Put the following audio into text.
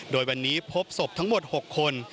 โดยวันนี้พบศพทั้งหมด๖คน